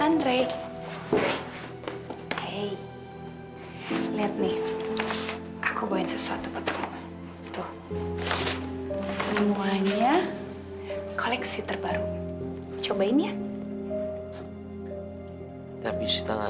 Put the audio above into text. sampai jumpa di video selanjutnya